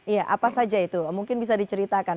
iya apa saja itu mungkin bisa diceritakan